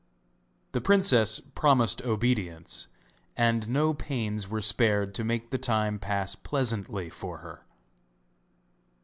The princess promised obedience, and no pains were spared to make the time pass pleasantly for her.